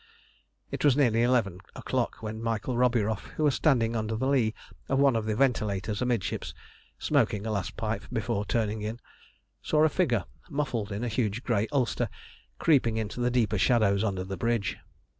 It was nearly eleven o'clock, when Michael Roburoff, who was standing under the lee of one of the ventilators amidships, smoking a last pipe before turning in, saw a figure muffled in a huge grey ulster creeping into the deeper shadows under the bridge.